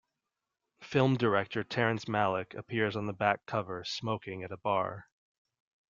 Film director Terrence Malick appears on the back cover smoking at a bar.